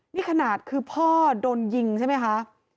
นี่ขนาดคือพ่อโดนยิงใช่ไหมคะ